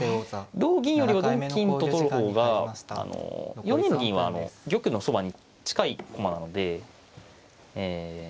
同銀よりは同金と取る方が４二の銀は玉のそばに近い駒なのでえ